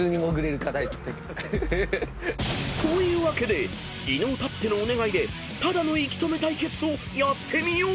［というわけで伊野尾たってのお願いでただの息止め対決をやってみよう］